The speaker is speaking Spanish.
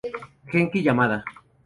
Genki Yamada